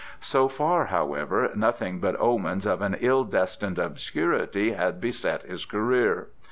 So far, however, nothing but omens of an ill destined obscurity had beset his career.